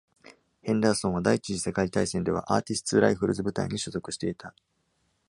ヘンダーソンは第一次世界大戦ではアーティスツ・ライフルズ部隊に所属していた。